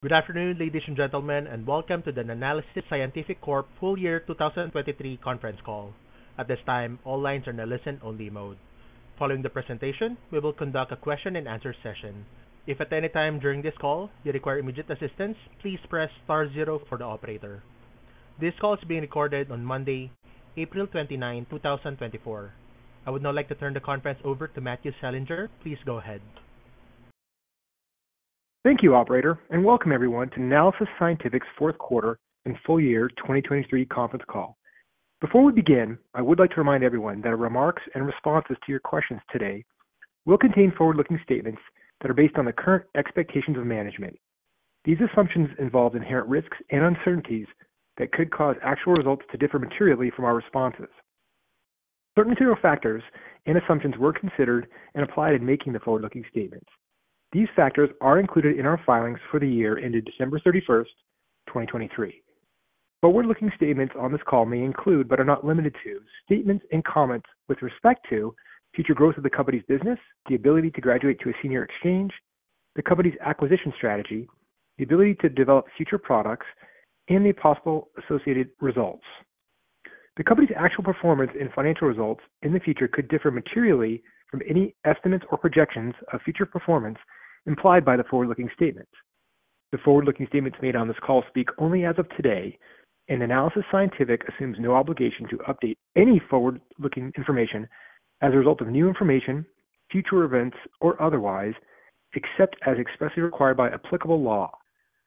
Good afternoon, ladies and gentlemen, and welcome to the Nanalysis Scientific Corp Full-Year 2023 Conference Call. At this time, all lines are in a listen-only mode. Following the presentation, we will conduct a question-and-answer session. If at any time during this call you require immediate assistance, please press star zero for the operator. This call is being recorded on Monday, April 29, 2024. I would now like to turn the conference over to Matthew Selinger. Please go ahead. Thank you, Operator, and welcome everyone to Nanalysis Scientific's fourth quarter and full-year 2023 conference call. Before we begin, I would like to remind everyone that our remarks and responses to your questions today will contain forward-looking statements that are based on the current expectations of management. These assumptions involve inherent risks and uncertainties that could cause actual results to differ materially from our responses. Certain material factors and assumptions were considered and applied in making the forward-looking statements. These factors are included in our filings for the year ended December 31, 2023. Forward-looking statements on this call may include, but are not limited to, statements and comments with respect to future growth of the company's business, the ability to graduate to a senior exchange, the company's acquisition strategy, the ability to develop future products, and the possible associated results. The company's actual performance and financial results in the future could differ materially from any estimates or projections of future performance implied by the forward-looking statements. The forward-looking statements made on this call speak only as of today, and Nanalysis Scientific assumes no obligation to update any forward-looking information as a result of new information, future events, or otherwise, except as expressly required by applicable law.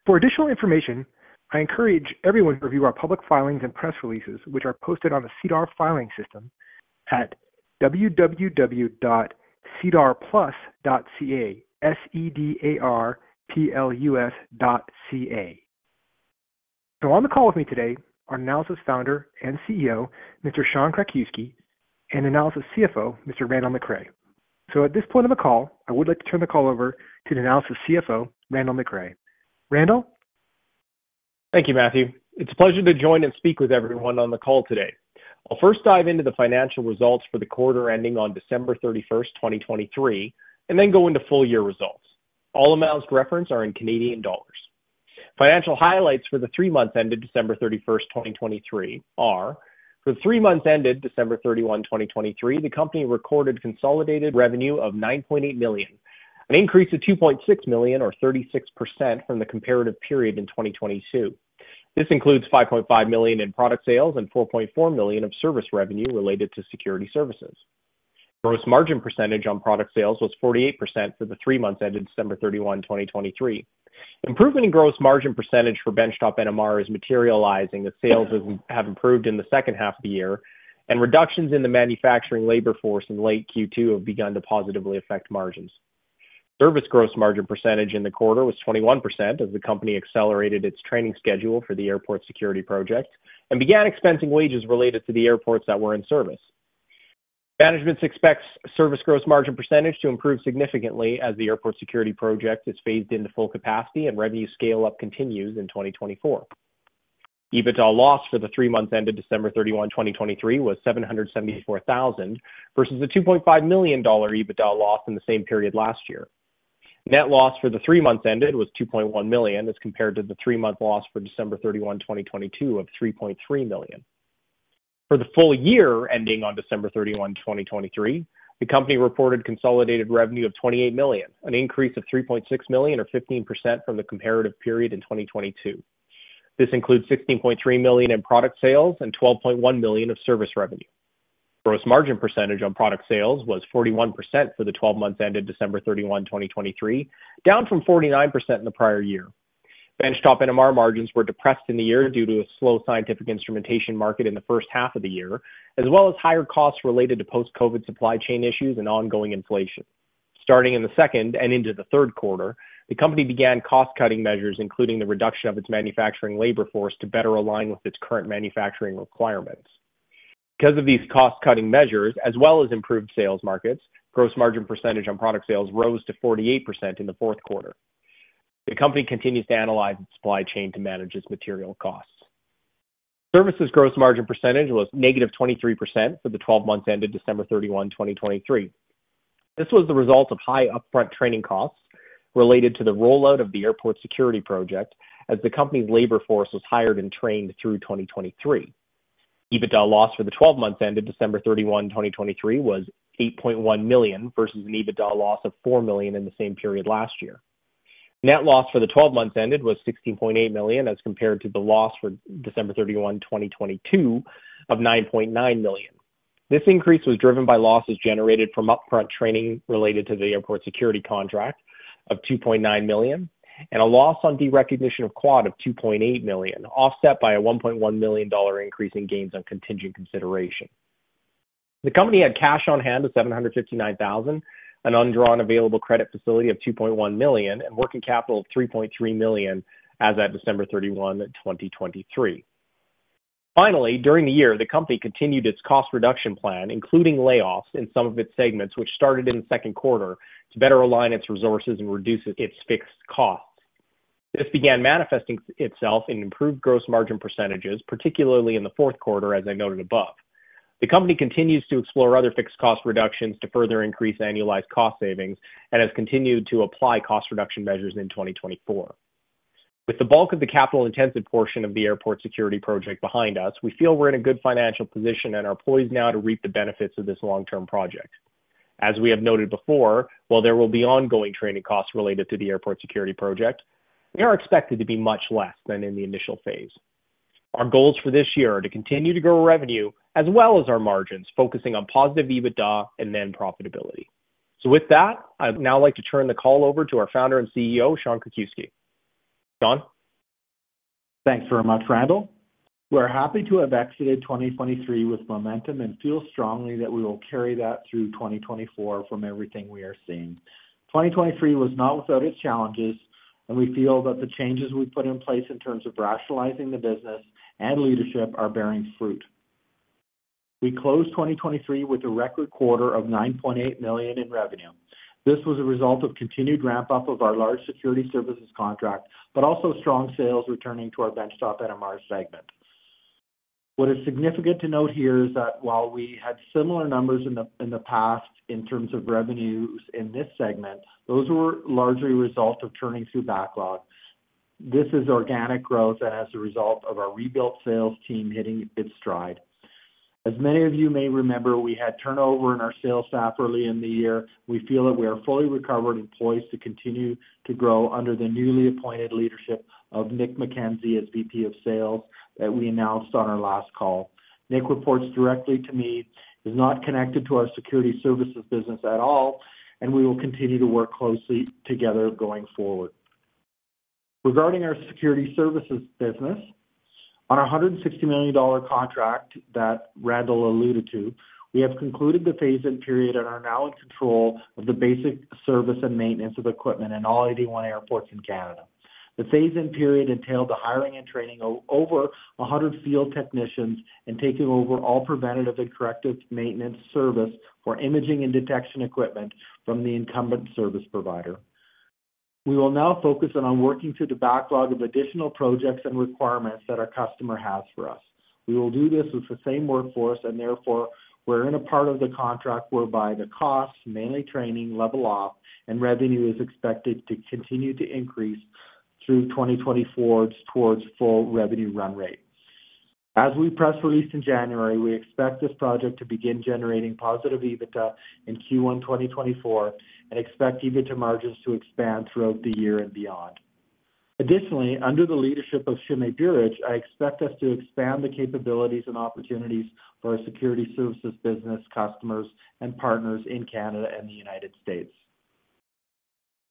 For additional information, I encourage everyone to review our public filings and press releases, which are posted on the SEDAR+ filing system, at www.sedarplus.ca. So on the call with me today are Nanalysis founder and CEO, Mr. Sean Krakiwsky, and Nanalysis CFO, Mr. Randall McRae. So at this point in the call, I would like to turn the call over to Nanalysis CFO Randall McRae. Randall? Thank you, Matthew. It's a pleasure to join and speak with everyone on the call today. I'll first dive into the financial results for the quarter ending on December 31, 2023, and then go into full-year results. All amounts to reference are in Canadian dollars. Financial highlights for the three months ended December 31, 2023 are: for the three months ended December 31, 2023, the company recorded consolidated revenue of 9.8 million, an increase of 2.6 million or 36% from the comparative period in 2022. This includes 5.5 million in product sales and 4.4 million of service revenue related to security services. Gross margin percentage on product sales was 48% for the three months ended December 31, 2023. Improvement in gross margin percentage for Benchtop NMR is materializing as sales have improved in the second half of the year, and reductions in the manufacturing labor force in late Q2 have begun to positively affect margins. Service gross margin percentage in the quarter was 21% as the company accelerated its training schedule for the airport security project and began expensing wages related to the airports that were in service. Management expects service gross margin percentage to improve significantly as the airport security project is phased into full capacity and revenue scale-up continues in 2024. EBITDA loss for the three months ended December 31, 2023, was 774,000 versus a 2.5 million dollar EBITDA loss in the same period last year. Net loss for the three months ended was 2.1 million as compared to the three-month loss for December 31, 2022, of 3.3 million. For the full-year-ending on December 31, 2023, the company reported consolidated revenue of 28 million, an increase of 3.6 million or 15% from the comparative period in 2022. This includes 16.3 million in product sales and 12.1 million of service revenue. Gross margin percentage on product sales was 41% for the 12 months ended December 31, 2023, down from 49% in the prior-year. Benchtop NMR margins were depressed in the year due to a slow scientific instrumentation market in the first half of the year, as well as higher costs related to post-COVID supply chain issues and ongoing inflation. Starting in the second and into the third quarter, the company began cost-cutting measures, including the reduction of its manufacturing labor force to better align with its current manufacturing requirements. Because of these cost-cutting measures, as well as improved sales markets, gross margin percentage on product sales rose to 48% in the fourth quarter. The company continues to analyze its supply chain to manage its material costs. Services gross margin percentage was negative 23% for the 12 months ended December 31, 2023. This was the result of high upfront training costs related to the rollout of the airport security project as the company's labor force was hired and trained through 2023. EBITDA loss for the 12 months ended December 31, 2023, was 8.1 million versus an EBITDA loss of 4 million in the same period last year. Net loss for the 12 months ended was 16.8 million as compared to the loss for December 31, 2022, of 9.9 million. This increase was driven by losses generated from upfront training related to the airport security contract of 2.9 million and a loss on derecognition of Quad of 2.8 million, offset by a 1.1 million dollar increase in gains on contingent consideration. The company had cash on hand of 759,000, an undrawn available credit facility of 2.1 million, and working capital of 3.3 million as of December 31, 2023. Finally, during the year, the company continued its cost reduction plan, including layoffs in some of its segments, which started in the second quarter to better align its resources and reduce its fixed costs. This began manifesting itself in improved gross margin percentages, particularly in the fourth quarter, as I noted above. The company continues to explore other fixed cost reductions to further increase annualized cost savings and has continued to apply cost reduction measures in 2024. With the bulk of the capital-intensive portion of the airport security project behind us, we feel we're in a good financial position and are poised now to reap the benefits of this long-term project. As we have noted before, while there will be ongoing training costs related to the airport security project, they are expected to be much less than in the initial phase. Our goals for this year are to continue to grow revenue as well as our margins, focusing on positive EBITDA and then profitability. So with that, I'd now like to turn the call over to our founder and CEO, Sean Krakiwsky. Sean? Thanks very much, Randall. We're happy to have exited 2023 with momentum and feel strongly that we will carry that through 2024 from everything we are seeing. 2023 was not without its challenges, and we feel that the changes we put in place in terms of rationalizing the business and leadership are bearing fruit. We closed 2023 with a record quarter of 9.8 million in revenue. This was a result of continued ramp-up of our large security services contract, but also strong sales returning to our Benchtop NMR segment. What is significant to note here is that while we had similar numbers in the past in terms of revenues in this segment, those were largely a result of turning through backlog. This is organic growth and as a result of our rebuilt sales team hitting its stride. As many of you may remember, we had turnover in our sales staff early in the year. We feel that we are fully recovered and poised to continue to grow under the newly appointed leadership of Nick Mackenzie as VP of Sales that we announced on our last call. Nick reports directly to me, is not connected to our security services business at all, and we will continue to work closely together going forward. Regarding our security services business, on a 160 million dollar contract that Randall alluded to, we have concluded the phase-in period and are now in control of the basic service and maintenance of equipment in all 81 airports in Canada. The phase-in period entailed the hiring and training of over 100 field technicians and taking over all preventative and corrective maintenance service for imaging and detection equipment from the incumbent service provider. We will now focus in on working through the backlog of additional projects and requirements that our customer has for us. We will do this with the same workforce, and therefore, we're in a part of the contract whereby the costs, mainly training, level off, and revenue is expected to continue to increase through 2024 towards full revenue run rate. As we press release in January, we expect this project to begin generating positive EBITDA in Q1 2024 and expect EBITDA margins to expand throughout the year and beyond. Additionally, under the leadership of Sime Buric, I expect us to expand the capabilities and opportunities for our security services business, customers, and partners in Canada and the United States.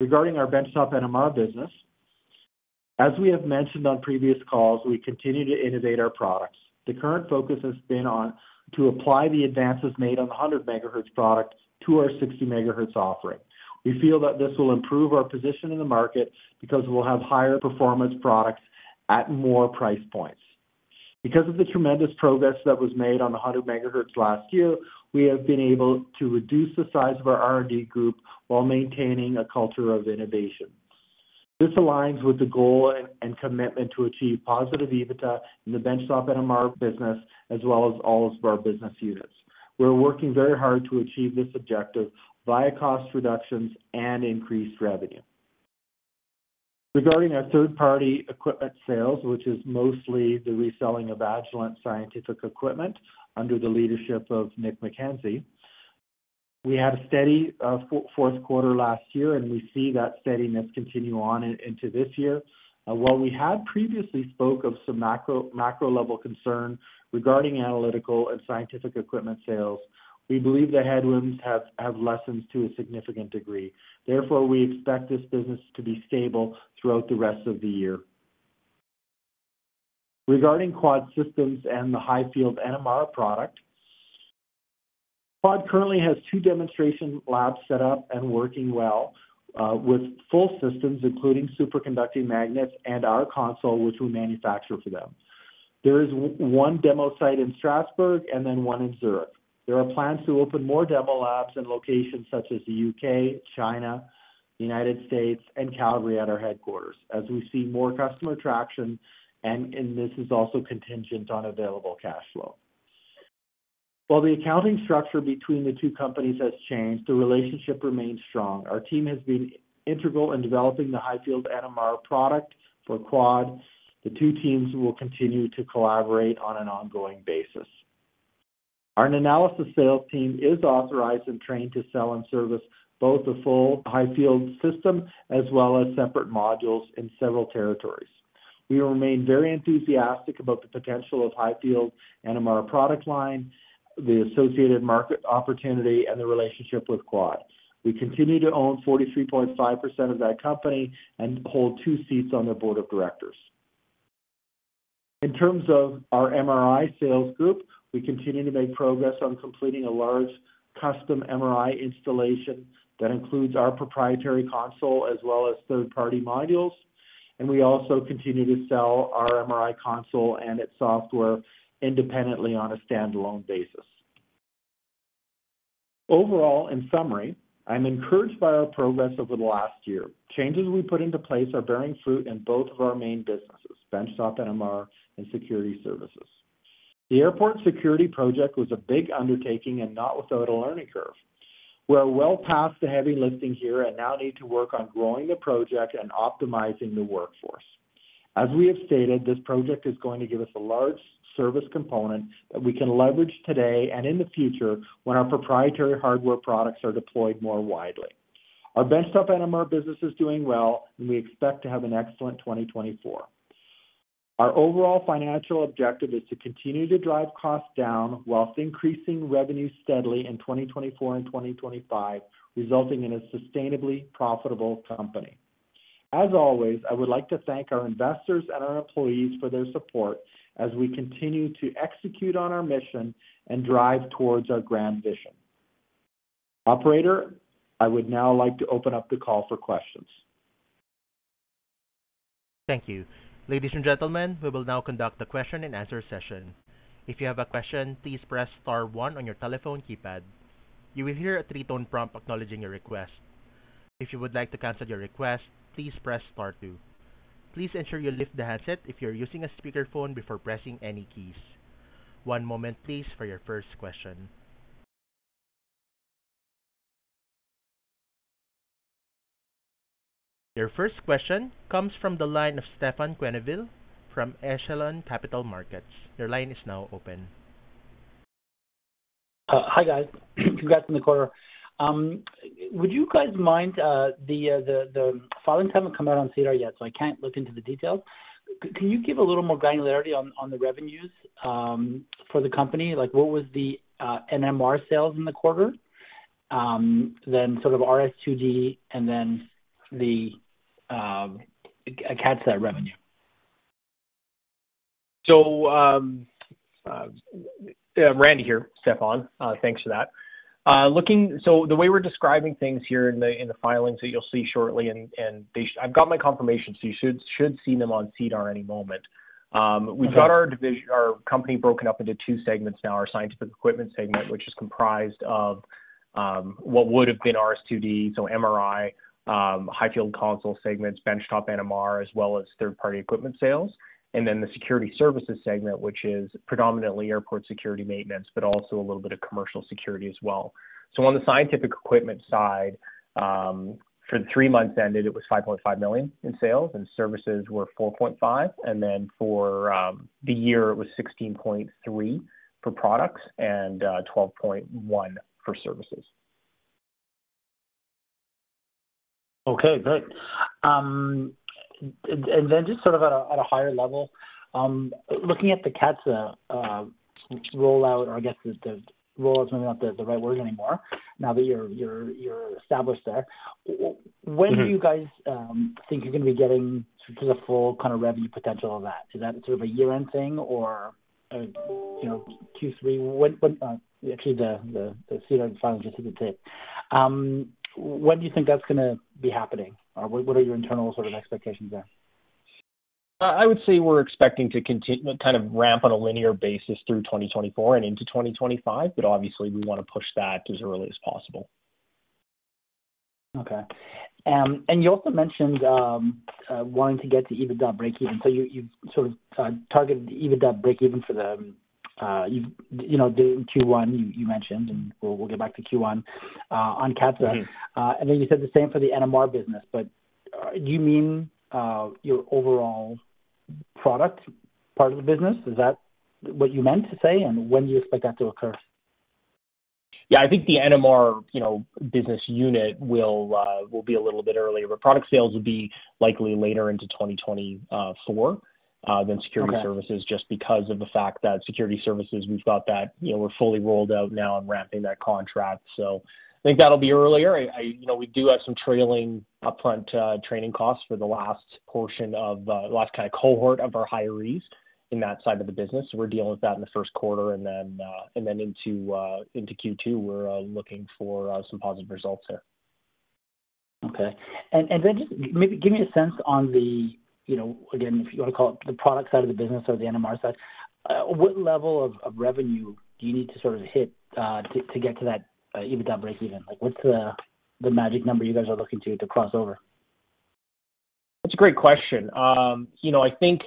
Regarding our benchtop NMR business, as we have mentioned on previous calls, we continue to innovate our products. The current focus has been on applying the advances made on the 100 megahertz product to our 60 megahertz offering. We feel that this will improve our position in the market because we'll have higher performance products at more price points. Because of the tremendous progress that was made on the 100 megahertz last year, we have been able to reduce the size of our R&D group while maintaining a culture of innovation. This aligns with the goal and commitment to achieve positive EBITDA in the benchtop NMR business as well as all of our business units. We're working very hard to achieve this objective via cost reductions and increased revenue. Regarding our third-party equipment sales, which is mostly the reselling of Agilent scientific equipment under the leadership of Nick Mackenzie, we had a steady fourth quarter last year, and we see that steadiness continue on into this year. While we had previously spoken of some macro-level concern regarding analytical and scientific equipment sales, we believe the headwinds have lessened to a significant degree. Therefore, we expect this business to be stable throughout the rest of the year. Regarding Quad Systems and the high-field NMR product, Quad currently has two demonstration labs set up and working well with full systems, including superconducting magnets and our console, which we manufacture for them. There is one demo site in Strasbourg and then one in Zurich. There are plans to open more demo labs in locations such as the U.K., China, the United States, and Calgary at our headquarters as we see more customer traction, and this is also contingent on available cash flow. While the accounting structure between the two companies has changed, the relationship remains strong. Our team has been integral in developing the high-field NMR product for Quad. The two teams will continue to collaborate on an ongoing basis. Our Nanalysis sales team is authorized and trained to sell and service both the full high-field system as well as separate modules in several territories. We remain very enthusiastic about the potential of high-field NMR product line, the associated market opportunity, and the relationship with Quad. We continue to own 43.5% of that company and hold two seats on the board of directors. In terms of our MRI sales group, we continue to make progress on completing a large custom MRI installation that includes our proprietary console as well as third-party modules, and we also continue to sell our MRI console and its software independently on a standalone basis. Overall, in summary, I'm encouraged by our progress over the last year. Changes we put into place are bearing fruit in both of our main businesses, Benchtop NMR and security services. The airport security project was a big undertaking and not without a learning curve. We are well past the heavy lifting here and now need to work on growing the project and optimizing the workforce. As we have stated, this project is going to give us a large service component that we can leverage today and in the future when our proprietary hardware products are deployed more widely. Our Benchtop NMR business is doing well, and we expect to have an excellent 2024. Our overall financial objective is to continue to drive costs down while increasing revenue steadily in 2024 and 2025, resulting in a sustainably profitable company. As always, I would like to thank our investors and our employees for their support as we continue to execute on our mission and drive towards our grand vision. Operator, I would now like to open up the call for questions. Thank you. Ladies and gentlemen, we will now conduct the question and answer session. If you have a question, please press star one on your telephone keypad. You will hear a three-tone prompt acknowledging your request. If you would like to cancel your request, please press star two. Please ensure you lift the handset if you are using a speakerphone before pressing any keys. One moment, please, for your first question. Your first question comes from the line of Stefan Quenneville from Echelon Capital Markets. Your line is now open. Hi guys. Congrats on the call. Would you guys mind? The filing hasn't come out on SEDAR yet, so I can't look into the details. Can you give a little more granularity on the revenues for the company? What was the NMR sales in the quarter, then sort of RS2D, and then the CATSA revenue? So Randy here, Stefan. Thanks for that. So the way we're describing things here in the filings that you'll see shortly, and I've got my confirmation, so you should see them on SEDAR+ any moment. We've got our company broken up into two segments now: our scientific equipment segment, which is comprised of what would have been RS2D, so MRI, high-field console segments, benchtop NMR, as well as third-party equipment sales; and then the security services segment, which is predominantly airport security maintenance but also a little bit of commercial security as well. So on the scientific equipment side, for the three months ended, it was 5.5 million in sales, and services were 4.5 million. And then for the year, it was 16.3 million for products and 12.1 million for services. Okay, great. And then just sort of at a higher level, looking at the CATSA rollout, or I guess rollout is maybe not the right word anymore now that you're established there. When do you guys think you're going to be getting sort of the full kind of revenue potential of that? Is that sort of a year-end thing or Q3? Actually, the SEDAR filings just hit the tape. When do you think that's going to be happening, or what are your internal sort of expectations there? I would say we're expecting to kind of ramp on a linear basis through 2024 and into 2025, but obviously, we want to push that as early as possible. Okay. And you also mentioned wanting to get to EBITDA breakeven. So you've sort of targeted EBITDA breakeven for the you did Q1, you mentioned, and we'll get back to Q1 on CATSA. And then you said the same for the NMR business, but do you mean your overall product part of the business? Is that what you meant to say, and when do you expect that to occur? Yeah, I think the NMR business unit will be a little bit earlier, but product sales will be likely later into 2024 than security services just because of the fact that security services, we've got that we're fully rolled out now and ramping that contract. So I think that'll be earlier. We do have some trailing upfront training costs for the last portion of the last kind of cohort of our hirees in that side of the business. We're dealing with that in the first quarter, and then into Q2, we're looking for some positive results there. Okay. And then just maybe give me a sense on the again, if you want to call it the product side of the business or the NMR side, what level of revenue do you need to sort of hit to get to that EBITDA breakeven? What's the magic number you guys are looking to to cross over? That's a great question. I think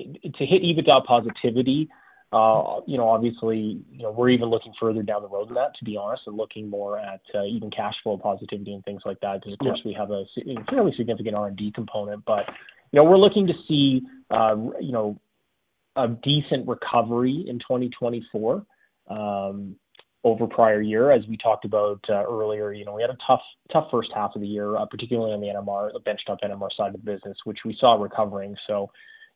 to hit EBITDA positivity, obviously, we're even looking further down the road than that, to be honest, and looking more at even cash flow positivity and things like that because, of course, we have a fairly significant R&D component. But we're looking to see a decent recovery in 2024 over prior-year. As we talked about earlier, we had a tough first half of the year, particularly on the benchtop NMR side of the business, which we saw recovering. So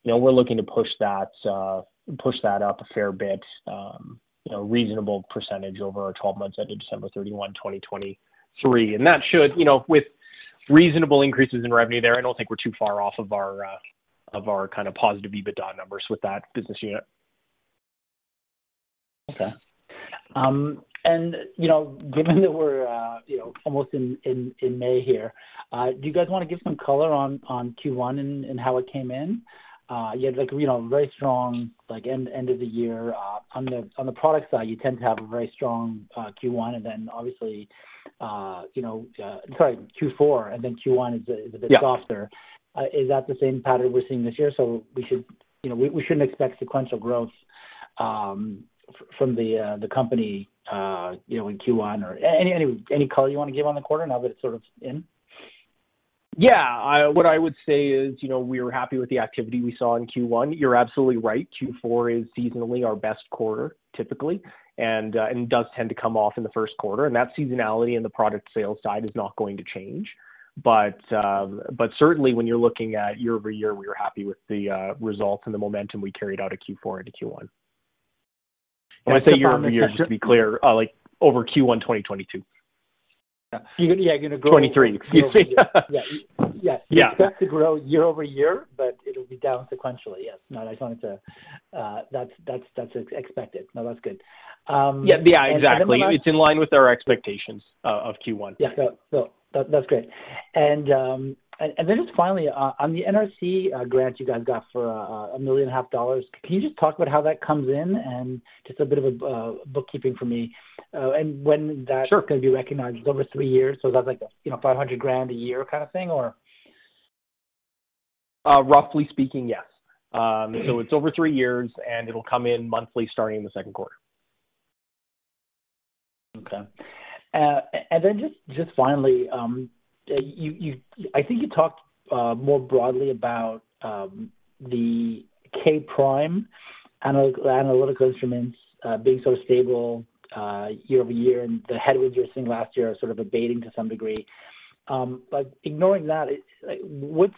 we're looking to push that up a fair bit, a reasonable percentage over our 12 months ended December 31, 2023. And that should, with reasonable increases in revenue there, I don't think we're too far off of our kind of positive EBITDA numbers with that business unit. Okay. Given that we're almost in May here, do you guys want to give some color on Q1 and how it came in? You had a very strong end of the year. On the product side, you tend to have a very strong Q1 and then, obviously sorry, Q4, and then Q1 is a bit softer. Is that the same pattern we're seeing this year? We shouldn't expect sequential growth from the company in Q1 or any color you want to give on the quarter now that it's sort of in? Yeah. What I would say is we were happy with the activity we saw in Q1. You're absolutely right. Q4 is seasonally our best quarter, typically, and does tend to come off in the first quarter. And that seasonality in the product sales side is not going to change. But certainly, when you're looking at year-over-year, we were happy with the results and the momentum we carried out of Q4 into Q1. And I say year-over-year just to be clear, over Q1 2022. Yeah, you're going to grow. Excuse me. Yeah. Yeah. We expect to grow year-over-year, but it'll be down sequentially. Yes. No, I just wanted to, that's expected. No, that's good. Yeah. Yeah, exactly. It's in line with our expectations of Q1. Yeah. No, that's great. And then just finally, on the NRC grant you guys got for 1.5 million, can you just talk about how that comes in and just a bit of a bookkeeping for me and when that's going to be recognized? It's over 3 years, so is that like a 500,000 a year kind of thing, or? Roughly speaking, yes. It's over three years, and it'll come in monthly starting the second quarter. Okay. And then just finally, I think you talked more broadly about the K'Prime analytical instruments being sort of stable year-over-year, and the headwinds you were seeing last year are sort of abating to some degree. But ignoring that, what's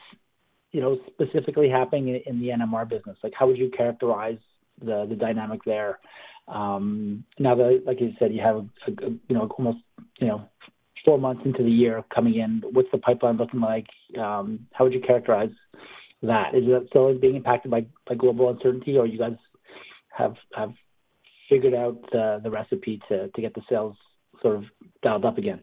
specifically happening in the NMR business? How would you characterize the dynamic there now that, like you said, you have almost four months into the year coming in? What's the pipeline looking like? How would you characterize that? Is that still being impacted by global uncertainty, or you guys have figured out the recipe to get the sales sort of dialed up again?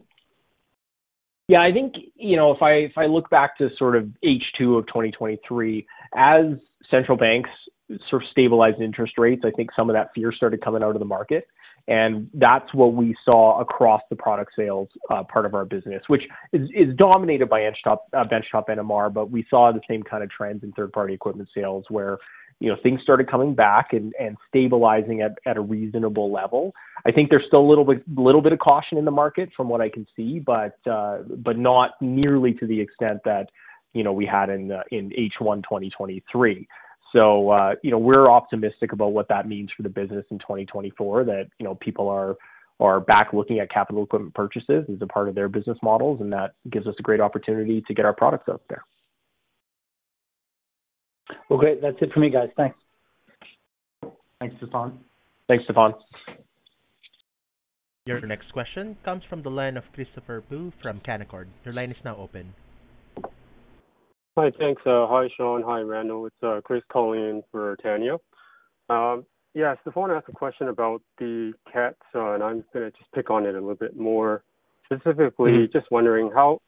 Yeah. I think if I look back to sort of H2 of 2023, as central banks sort of stabilized interest rates, I think some of that fear started coming out of the market. That's what we saw across the product sales part of our business, which is dominated by benchtop NMR. We saw the same kind of trends in third-party equipment sales where things started coming back and stabilizing at a reasonable level. I think there's still a little bit of caution in the market from what I can see, but not nearly to the extent that we had in H1 2023. We're optimistic about what that means for the business in 2024, that people are back looking at capital equipment purchases as a part of their business models, and that gives us a great opportunity to get our products out there. Well, great. That's it for me, guys. Thanks. Thanks, Stefan. Thanks, Stefan. Your next question comes from the line of Christopher Bui from Canaccord. Your line is now open. Hi, thanks. Hi, Sean. Hi, Randall. It's Chris calling in for Tania. Yeah, Stefan asked a question about the CATSA, and I'm going to just pick up on it a little bit more. Specifically, just wondering, how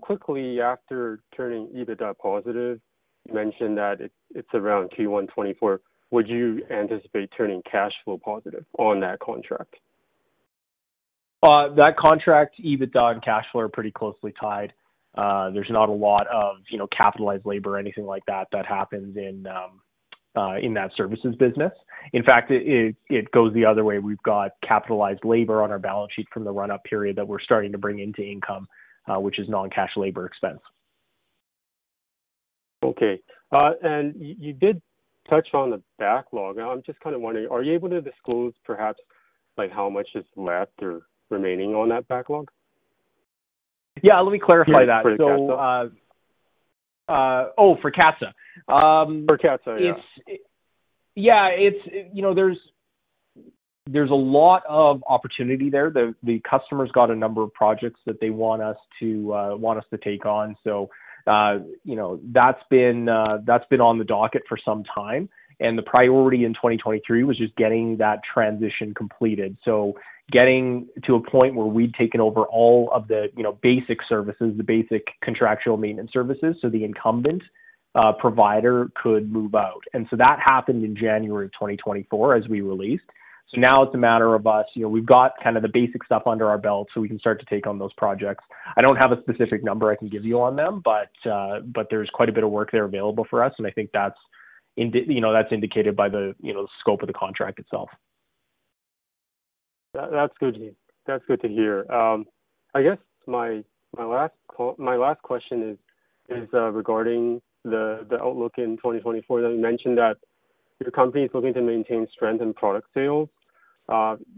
quickly after turning EBITDA positive you mentioned that it's around Q1 2024, would you anticipate turning cash flow positive on that contract? That contract, EBITDA and cash flow are pretty closely tied. There's not a lot of capitalized labor or anything like that that happens in that services business. In fact, it goes the other way. We've got capitalized labor on our balance sheet from the run-up period that we're starting to bring into income, which is non-cash labor expense. Okay. And you did touch on the backlog. I'm just kind of wondering, are you able to disclose perhaps how much is left or remaining on that backlog? Yeah, let me clarify that. For CATSA? Oh, for CATSA. For CATSA, yeah. Yeah, there's a lot of opportunity there. The customer's got a number of projects that they want us to take on. So that's been on the docket for some time. And the priority in 2023 was just getting that transition completed. So getting to a point where we'd taken over all of the basic services, the basic contractual maintenance services, so the incumbent provider could move out. And so that happened in January of 2024 as we released. So now it's a matter of us we've got kind of the basic stuff under our belt, so we can start to take on those projects. I don't have a specific number I can give you on them, but there's quite a bit of work there available for us. And I think that's indicated by the scope of the contract itself. That's good to hear. I guess my last question is regarding the outlook in 2024. You mentioned that your company is looking to maintain strength in product sales.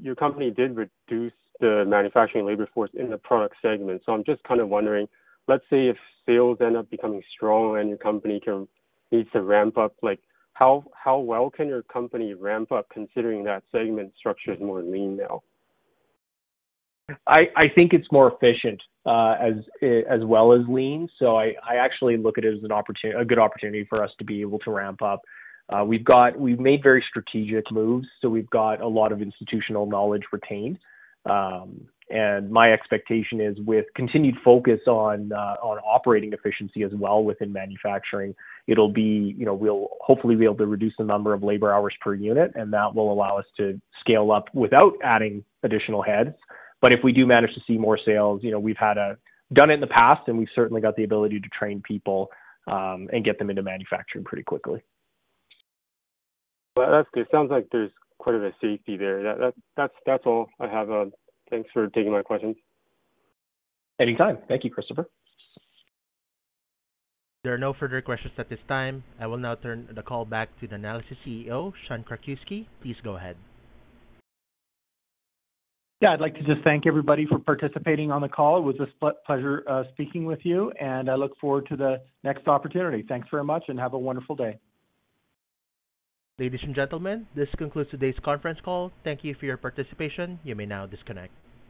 Your company did reduce the manufacturing labor force in the product segment. So I'm just kind of wondering, let's say if sales end up becoming strong and your company needs to ramp up, how well can your company ramp up considering that segment structure is more lean now? I think it's more efficient as well as lean. I actually look at it as a good opportunity for us to be able to ramp up. We've made very strategic moves, so we've got a lot of institutional knowledge retained. My expectation is, with continued focus on operating efficiency as well within manufacturing, we'll hopefully be able to reduce the number of labor hours per unit, and that will allow us to scale up without adding additional heads. If we do manage to see more sales, we've done it in the past, and we've certainly got the ability to train people and get them into manufacturing pretty quickly. That's good. Sounds like there's quite a bit of safety there. That's all I have. Thanks for taking my questions. Anytime. Thank you, Christopher. There are no further questions at this time. I will now turn the call back to the Nanalysis CEO, Sean Krakiwsky. Please go ahead. Yeah, I'd like to just thank everybody for participating on the call. It was a pleasure speaking with you, and I look forward to the next opportunity. Thanks very much, and have a wonderful day. Ladies and gentlemen, this concludes today's conference call. Thank you for your participation. You may now disconnect.